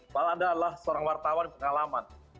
padahal anda adalah seorang wartawan pengalaman